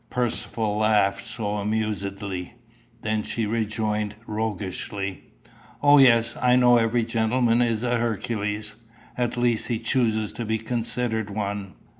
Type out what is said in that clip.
Percivale laughed so amusedly, that she rejoined roguishly "O yes! I know every gentleman is a Hercules at least, he chooses to be considered one!